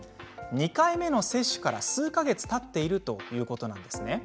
２回目の接種から数か月たっているということなんです。